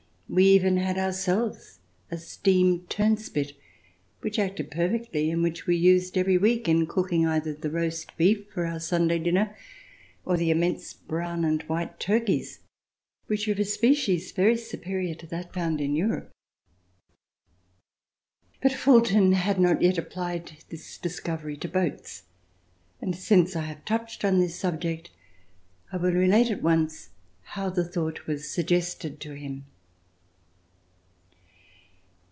We even had, our selves, a steam turnspit which acted perfectly, and which we used every week, in cooking either the roast beef for our Sunday dinner, or the immense brown and white turkeys, which are of a species very superior to that found in Europe. But Fulton had not yet applied this discovery to boats; and, since I have touched on this subject, I will relate at once how the thought was suggested to him.